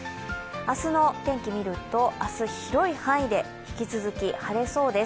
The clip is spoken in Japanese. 明日の天気を見ると明日、広い範囲で引き続き晴れそうです。